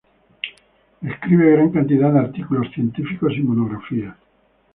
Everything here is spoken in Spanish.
Escribe gran cantidad de artículos científicos y monografías.